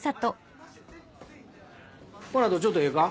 この後ちょっとええか？